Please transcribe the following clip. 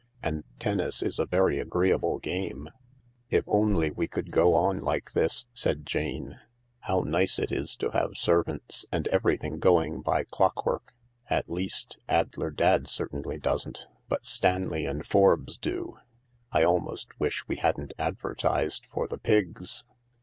And tennis is a very agree able game. " If only we could go on like this I " said Jane. " How nice it is to have servants and everything going by clockwork— at least, Addler Dadd certainly doesn't, but Stanley and Forbes do. I almost wish we hadn't advertised for the Pigs."